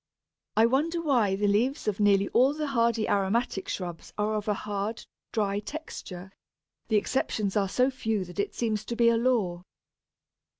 I wonder why the leaves of nearly all the hardy aromatic shrubs are of a hard, dry texture; the exceptions are so few that it seems to be a law.